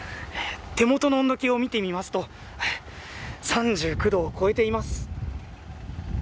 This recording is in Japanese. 手元の温度計を見てみますと３９度を超えています。